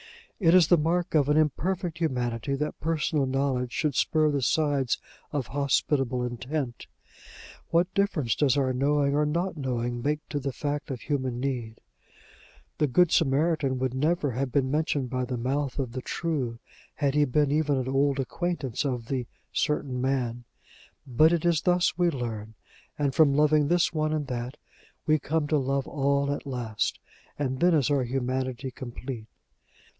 It is the mark of an imperfect humanity, that personal knowledge should spur the sides of hospitable intent: what difference does our knowing or not knowing make to the fact of human need? The good Samaritan would never have been mentioned by the mouth of the True, had he been even an old acquaintance of the "certain man." But it is thus we learn; and, from loving this one and that, we come to love all at last, and then is our humanity complete.